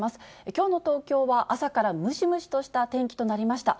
きょうの東京は、朝からムシムシとした天気となりました。